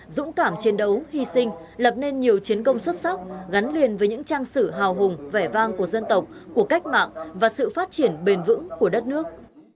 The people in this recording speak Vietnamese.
dũng cảm chiến đấu hy sinh lập nên nhiều chiến công xuất sắc gắn liền với những trang sử hào hùng vẻ vang của dân tộc của cách mạng và sự phát triển bền vững của đất nước